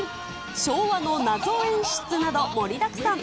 昭和の謎演出など、盛りだくさん。